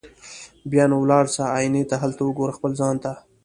بیا نو ولاړ سه آیینې ته هلته وګوره خپل ځان ته